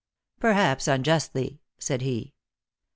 "Perhaps unjustly," said he.